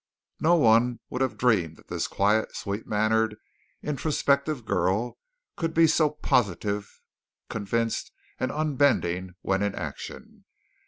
No one would have dreamed that this quiet, sweet mannered, introspective girl could be so positive, convinced and unbending when in action.